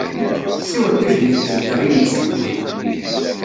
Ssiweḍ tajmilt-nteɣ i yimsewwi.